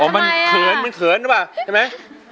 อ๋อมันเขินมันเขินใช่ป่ะใช่ไหม